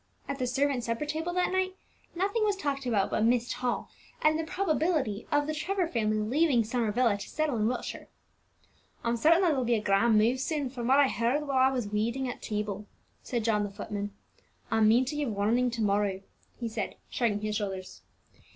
At the servants' supper table that night nothing was talked about but Myst Hall, and the probability of the Trevor family leaving Summer Villa to settle in Wiltshire. "I'm certain that there will be a grand move soon, from what I heard while I was waiting at table," said John the footman. "I mean to give warning to morrow," he added, shrugging his shoulders.